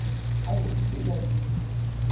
Avez-vous déjà vu..?